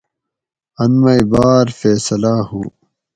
ان مئی باۤر فیصلاۤ ہُو